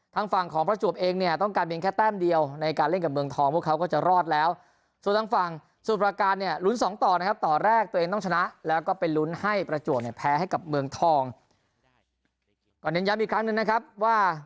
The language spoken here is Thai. ต่อแรกตัวเองต้องชนะแล้วก็ไปลุ้นให้ประจวบแพ้ให้กับเมืองทองก่อนเน้นย้ำอีกครั้งหนึ่งนะครับว่า